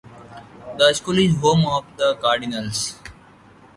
The school is the home of the Cardinals.